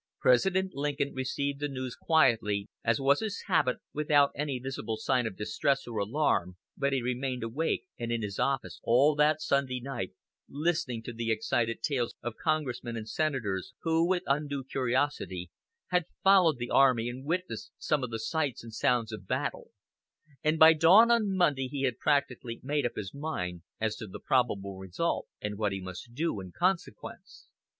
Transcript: President Lincoln received the news quietly, as was his habit, without any visible sign of distress or alarm, but he remained awake and in his office all that Sunday night, listening to the excited tales of congressmen and senators who, with undue curiosity, had followed the army and witnessed some of the sights and sounds of battle; and by dawn on Monday he had practically made up his mind as to the probable result and what he must do in consequence.